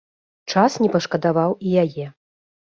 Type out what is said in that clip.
Час не пашкадаваў і яе.